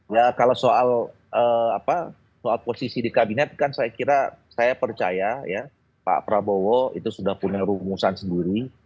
ya kalau soal posisi di kabinet kan saya kira saya percaya ya pak prabowo itu sudah punya rumusan sendiri